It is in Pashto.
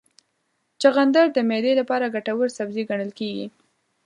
چغندر د معدې لپاره ګټور سبزی ګڼل کېږي.